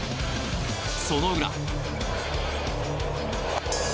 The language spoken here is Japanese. その裏。